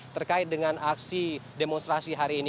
terkait dengan aksi demonstrasi hari ini